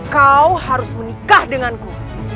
kau harus menikah denganku